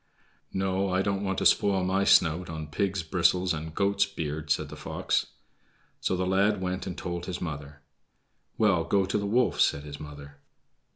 "No, I don't want to spoil my snout on pig's bristles and goat's beard," said the fox. So the lad went and told his mother. "Well, go to the wolf," said his mother.